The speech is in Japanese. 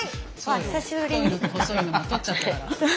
太いのと細いの取っちゃったから。